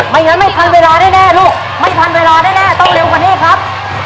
อย่างนั้นไม่ทันเวลาแน่ลูกไม่ทันเวลาแน่ต้องเร็วกว่านี้ครับ